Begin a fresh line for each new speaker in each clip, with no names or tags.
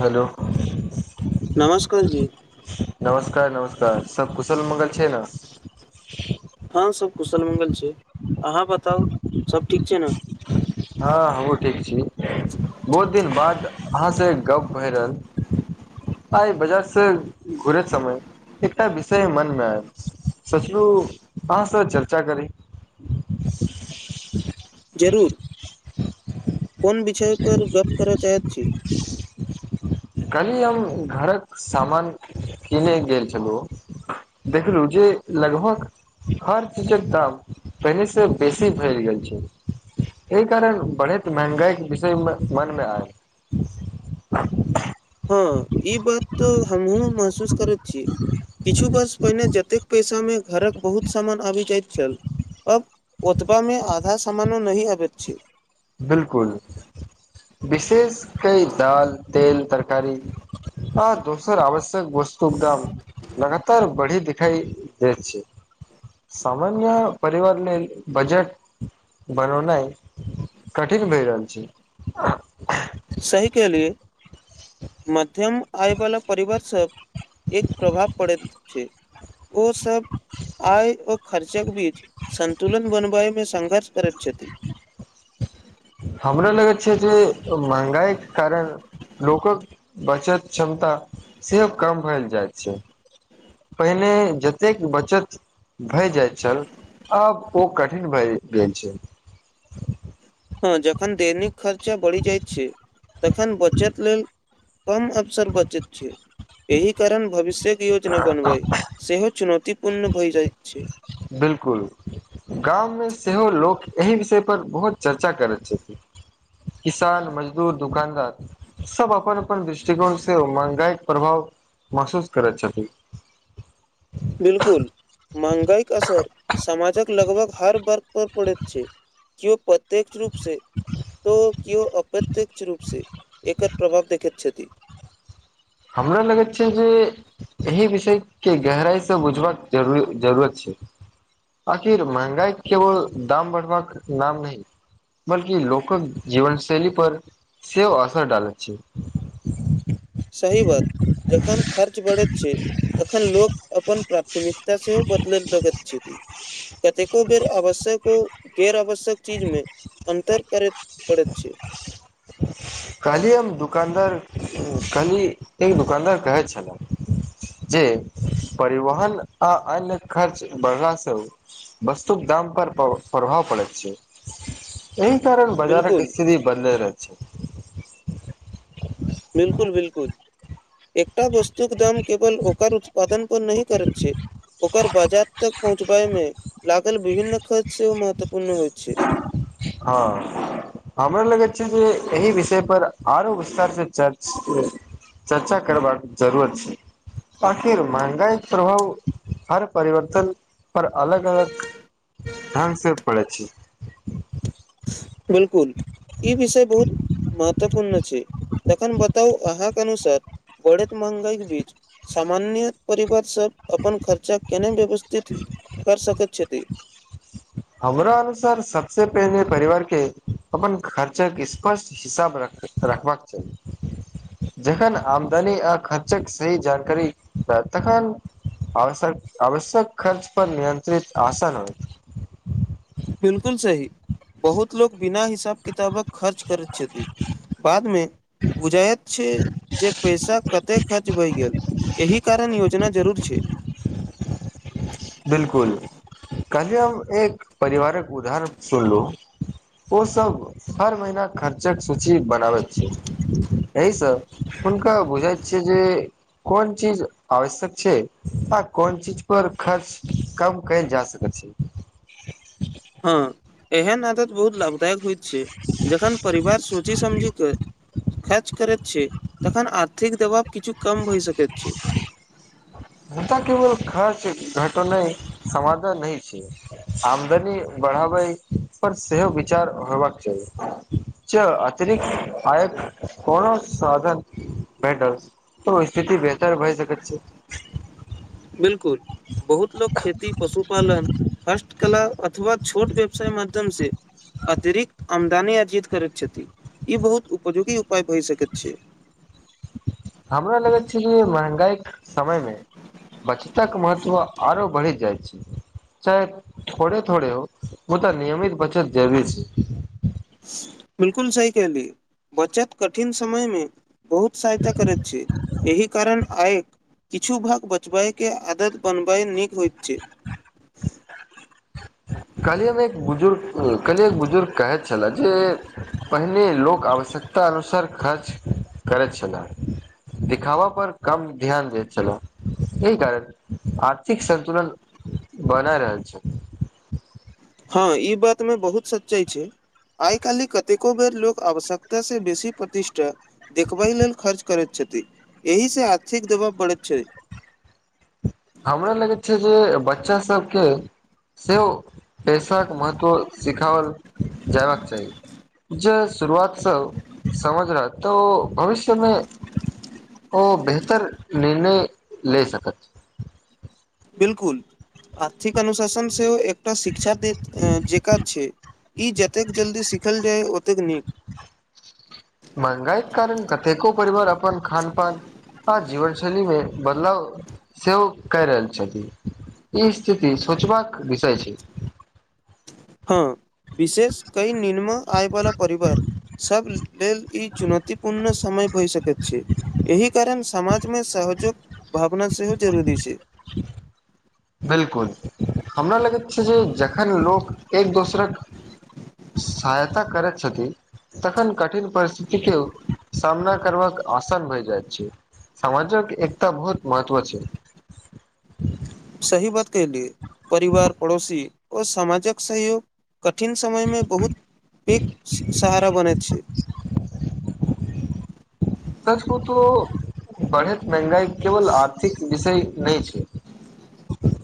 Hello
नमस्कार जी
नमस्कार नमस्कार सब कुशल मंगल छै ने
हँ सब कुशल मंगल छै अहाँ बताउ सब ठीक छै ने
हँ हमू ठीक छी बहुत दिन बाद अहाँ सँ गप भए रहल। आइ बजारसे घुरे समय। एकटा विषय मनमे सोचलू अहाँसँ चर्चा करी।
जरूर कोन विषय पर गप करय चाहैत छी।
काल्हि हम घरक सामान किनय गेल छलहुँ। देखलु जे लगभग। हर चीजक दाम पहिनेसँ बेसी भेल जाए छै। एहि कारण बढ़ैत महँगाइके विषयमे मनमे आय। [inaudible]
हँ, ई बात तऽ हमहुँ महसूस करैत छी। किछु वर्ष पहिने जतेक पैसामे घरक बहुत सामान आबि जाइत छल। अब ओतबामे आधा सामानो नही आबैत छि।
बिल्कूल विशेष कई दाल तेल तरकारी। आ दोसर आवश्यक बस्तुर दाम। लगातार बढ़ी दिखाई दै छी। सामन्य परिवार लेल बजट बनाइ। कठिन भए रहल छै।
सही क़हलिये। मध्यम आयवला परिवारसँ एक प्रभाव पड़ैत अछि। ओ सभ। आय ओ खर्चक बीच सन्तुलन बनबयमे संघष करैत छथि।
हमरो लगै छै, जे महंगाईके कारण। लोककऽ बचत क्षमता सेहो कम भेल जाइत छै। पहिने जतेक बचत। भय जाइत छल आब ओ कठिन भए गेल छल।
हँ, जखन दैनिक खर्चा बढ़ि जाइत छै, तखन बचत लेल। कम अवसर बचैत छै, एहि कारण भविष्यके योजना बनबै सेहो चुनौती। पूर्ण भइ जाइ छै।
बिल्कुल। गाममे सेहो लोक एहि विषय पर बहुत चर्चा करैत छथि। किसान, मजदूर, दुकानदार। सभ अपन अपन दृष्टिकोणसे महगाइक प्रभाव महसूस करैत छथिन।
बिल्कूल महांगाइक असर समाजक लगभग हर बर। पर पड़ैत छै, केयो प्रत्यक्ष रूप से तो। किओ अप्रत्यक्ष रूपसँ एकर प्रभाव देखैत छथि।
हमरा लगैत छै, जे एहि विषयके गहराइ सँ बुझबाक ज जरूरत छै। आखिर महंगाई केवल दाम बढ़बाक नाम नहि। बल्कि लोक कऽ जीवन शैली पर सेहो असर डालैत छी।
सही बात जखन खर्च बढ़ैत छै। तखन लोक अपन प्राथमिकता सेहो बदलय लगैत छथि। कतेको बेर आवश्यक गैर आवश्यक चीजमे अन्तर करैत पड़ैत छै।
[unintelligible] कहलियै हम दोकानदार कहलियै एक दोकानदार कहै छलहु। जे परिवहन आ अन्य खर्च बढ़लासँ। वस्तु दाम पर प्रभाव पड़ैत छै। एहि कारण बजारक
बिलकुल
स्थिति बदले रह छै।
बिल्कूल बिल्कूल एकटा वस्तुक दाम केवल ओकरत। पदनप नहि करैत छै। ओकर बाजार तक पहुँचबय मे लागल विभिन्न खर्च सेहो महत्वपूर्ण होइ छै
हँ हमरा लगैत छै जे एहि विषय पर आरो विस्तार से चर्च चर्चा करबाक जरूरत छै आखिर महंगाइ प्रभाव हर परिवर्तन पर अलग अलग ढंग से पड़ै छी
बिलकुल ई विषय बहुत महत्वपूर्ण छै तखन बताउ अहाँके अनुसार बढ़ैत महगाइके बीच सामान्य परिवारसभ अपन खर्चा केना व्यवस्थित कर सकैत छथि
हमरा अनुसार सबस पहिनेे परिवार के अपन खर्चा के स्पष्ट हिसाब रख रखबाक चाही जखन आमदनी आ खर्चक सही जानकारी ह तखन आश्यक आवश्यक खर्च पर नियंत्रित आसन होइ
बिल्कुल सही बहुत लोको बिना हिसाब किताबक खर्च करै छथि बाद मे बुझाइत छै जे पैसा कतेक खर्च भइ गेल एहि कारण योजना जरूर छै
बिलकुल कहलीए हम एक परिवारक उदाहरण सुनलू ओसभ हर महीना खर्चक सूची बनाबैत छी यहि सँ हुनका बुझाइत छियै जे कोन चीज आवश्यक छै आ कोन चीज पर खर्च कम कयल जा सकैत छै
हँ एहेन आदत बहुत लाभदायक हो से जखन परिवार सोची समझि कऽ खर्च करैत छी तखन आर्थिक दबाव किछु कम भइ सकैत छी
हुनका केवल खर्च घटना समाधान होइ छै आमदनी बढ़ाबै पर सेहो विचार होयबाक चाही च अतिरिक्त आयक कोनो साधन भेटल त स्थिति बेहतर भए सकैत छै
बिलकुल बहुत लोक खेती पशुपालन हस्तकला अथवा छोट व्यवसाय माध्यम से अतिरिक्त आमदनी अर्जित करैत छथि ई बहुत उपयोगी उपाय भय सकैत छै
हमरा लगैत छल कि महगाइ समय मे बचतक महत्त्व आरो बढ़ि जाइ छै चाहे थोड़े थोड़े हो ओ तऽ नियमित बचत जरूरी छै
बिल्कुल सही कहलि बचत कठिन समय मे बहुत सहायता करैत छी एहि कारण आयक किछु भाग बचबय के आदत बनबय नीक होइत छै
कहलियै हम एक बुजुर्ग कहलियै एक बुजुर्ग कहैत छलै जे पहिने लोक आवश्यक अनुसार खर्च करैत छलाह दिखावा पर कम ध्यान दे चलो एहि कारण आर्थिक संतुलन बनाय रहल छी
हँ ई बात मे बहुत सच्चा छै आइ काल्हि कतेको बेर लोक आवश्यकतासँ बेसी प्रतिष्ठा देखबै लेल खर्च करैत छथि एहि से आर्थिक दबाव बढ़ैत छै
हमरा लगैत छै जे बच्चा सबके सेहो पेशाक महत्व सिखाओल जयबाक चाही जे शुरुआत सब समझ रह तऽ भविष्यमे ओ बेहतर निर्णय ले सकत
बिलकुल आर्थिक अनुशासन सेहो एकटा शिक्षा दे जेक छै ई जतेक जल्दी सीखल जाय ओतेक नीक
महँगाई के कारण कतेको परिवार अपन खान पान आ‌जीवनशैलीमे बदलाव सेहो कय रहल छथि ई स्थिति सोचबाक विषय छै
हँ विशेष कई निमन आय वला परिवार सभ लेल ई चुनौतीपूर्ण समय भए सकैत छै एहि कारण समाजमे सहजोग भावना सेहो जरूरी छै
बिलकुल हमरा लगैत छै जे जखन लोक एक दोसरक सहायता करैत छथिन तखन कठिन परिस्थितिके सामना करबाक आसान भए जाइत छै समाजक एकता बहुत महत्व छै
सही बात कहेलि परिवार पड़ोसी ओर सामाजक सहयोग कठिन समयमे बहुत पेग सहारा बनैत छै
सच कहु त बढ़ैत महंगाई केवल आर्थिक विषय नहि छै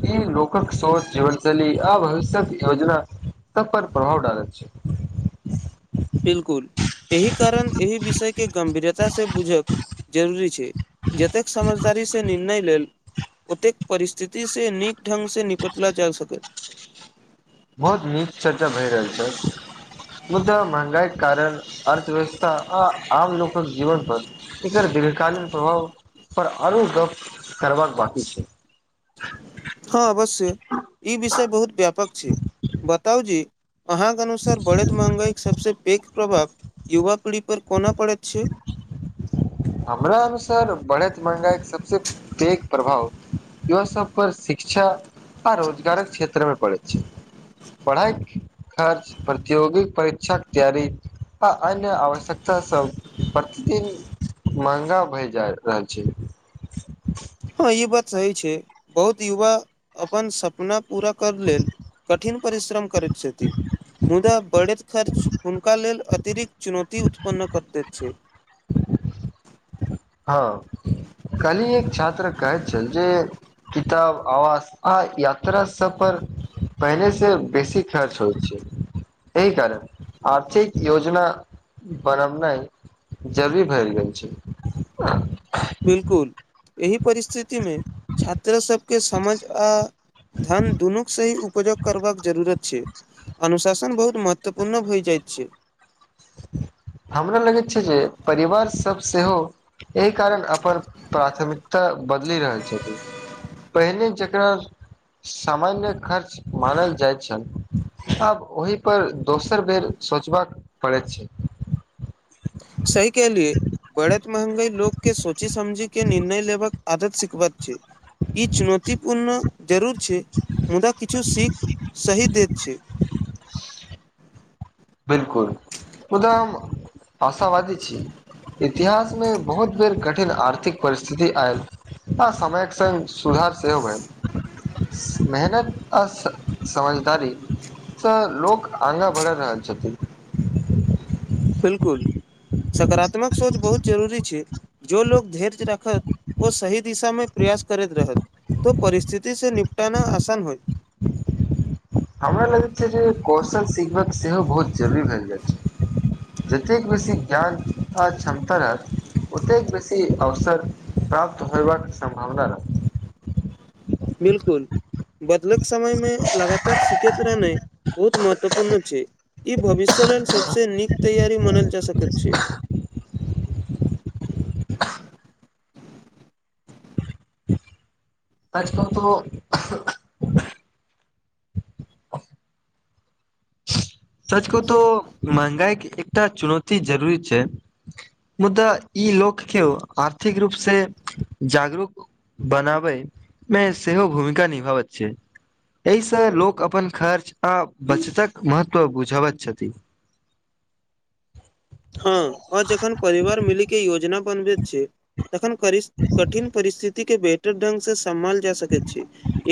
ह ई लोकक शोच जीवन शैली आ भविष्यत योजना सब‌ पर प्रभाव लैत अछि
बिलकुल एहि कारण एहि विषय के गंभीरता से बूझक जरूरी छै जतेक समझदारी से निर्णय लेल ओतेक परिस्थिति से नीक ढंग से निपटला जा सकल
बहुत नीक चर्चा भए रहल छै मुद्दा महगाई कारण अर्थव्यवस्था आ आम लोक जीवनपर एकर दीर्घकालीन प्रभाव पर अनु गप कर बकी छै
हँ अवश्य ई विषय बहुत व्यापक छै बताउ जे अहाँक अनुसार बढ़ैत महँगाईक सभसँ पैघ प्रभाव युवा पीढ़ीपर कोना पड़ैत छै
हमरा अनुसार बढ़ैत महंगाइ के सबसँ पैघ प्रभाव युवा सब पर शिक्षा आ रोजगारक क्षेत्र मे पड़ैत छै पढ़ाइ खर्च प्रतियोगिक परीक्षा तैयारी आ अन्य आवश्यकता सब प्रतिदिन महंगा भय जा रहल छै
हँ ई बात सही छै बहुत युवा अपन सपना पूरा कर लेल कठिन परिश्रम करेक छथि मुदा बढ़ैत खर्च हुनका लेल अतिरिक्त चुनौती उत्पन्न करैत अछि
हँ कहली एक छात्र कहैत छल जे किताब आवास‌ आ यात्रा सफर पहिनेेसँ बेसी खर्च होइ छै एहि कारण आर्थिक योजना बनबनाइ जरूरी भैर गेल छै उ
बिलकुल एहि परिस्थितिमे छात्रा सबके समझ आ धन दुनूके सही उपजग करबाक जरूरत छै अनुशासन बहुत महत्वपूर्ण होइ जाइत छै
हमरा लगैत छै जे परिवार सभ सेहो एहि कारण अपन प्राथमिकता बदलि रहल छथिन पहिने जकरा सामान्य खर्च मानल जाइत छल आब ओहि पर दोसर बेर सोचबाक पड़ैत छै
सही कहलीये बढैत महंगाई लोग के सोचै समझी के निर्णय लेबाक आदत सिखबत छै ई चुनौतीपूर्ण जरूर छै मुदा किछु सीख सही दैत छै
बिलकुल मुदा हम आशा वादी छी इतिहास मे बहुत बेर कठिन आर्थिक परिस्थिति आयल ह समयके संग सुधार सेहो भेल मेहनत आ समझदारी सँ लोक आगाँ बढ़ि रहल छथिन
बिलकुल सकारात्मक सोच बहुत जरूरी छै जो लोक धैर्य राखत ओ सही दिशामे प्रयास करैत रहत तो परिस्थिति से निपटाना आसान होयत
हमरा लगैत छै जे कौशल सिखबाक सेहो बहुत जरूरी भए जाइ छै जतेक बेसी ज्ञान आ क्षमता रहत ओतेक बेसी अवसर प्राप्त होबाक सम्भावना रहत
बिलकुल बदलैत समय मे लगातार सिखैत रहनाइ बहुत महत्वपूर्ण छै ई भविष्य लेल सभसँ नीक तैयारी मानल जा सकैत छै
आज कल तो [unintelligible] सच कहू तो महंगाई के एकटा चुनौती जरूरी छै मुदा ई लोकके आर्थिक रूप से जागरूक बनाबै मे सेहो भूमिका निभाबैत छै एहिसँ लोक अपन खर्च आ बचतक महत्व बुझबैत छथिन
हँ आ जखन परिवार मिली के योजना बनबैत छै तखन कठिन परिस्थिति के बेहतर ढंग से सम्भाल जा सकैत छै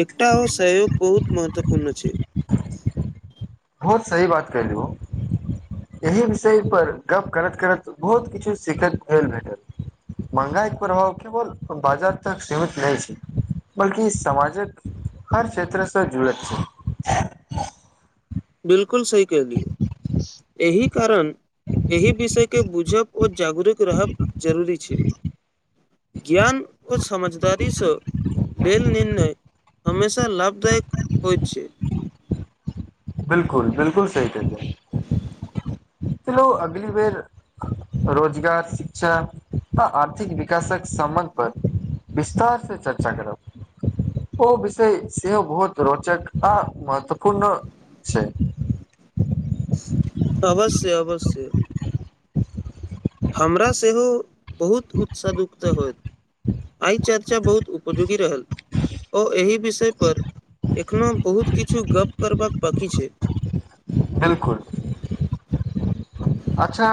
एकटा ओ सहयोग बहुत महत्वपूर्ण छै
बहुत सही बात कहलू हँ एहि विषयपर गप्प करैत करैत बहुत किछु सीखत फेर भेटल महगाई के प्रभाव केवल बाजार तक सीमित नहि छै बल्कि समाजक हर क्षेत्रसँ जुड़ैत छै
बिलकुल सही कहलि एहि कारण एहि विषय के बुझब ओ जागरुक रहब जरूरी छै ज्ञान ओ समझदारीसँ लेल निर्णय हमेशा लाभदायक होइत छै
बिलकुल बिलकुल सही कहल जाय चलू अगली बेर रोजगार शिक्षा आ आर्थिक विकासक सम्बन्ध पर विस्तारसँ चर्चा करब ओ विषय सेहो बहुत रोचक आ महत्वपूर्ण छै
अवश्य अवश्य हमरा सेहो बहुत उत्साह दुखधः होत आइ चर्चा बहुत उपयोगी रहल ओ एहि विषय पर एखनो बहुत किछु गप करबाक बाकी छै
बिलकुल अच्छा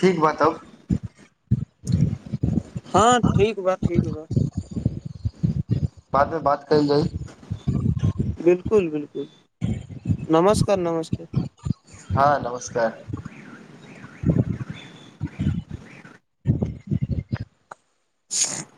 ठीक बा तब
हँ ठीक बा ठीक बा
बादमे बात कइल जाइ
बिलकुल बिलकुल नमस्कार नमस्ते
हँ नमस्कार
[unintelligible]